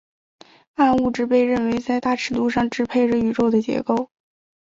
暗物质被认为是在大尺度上支配着宇宙的结构。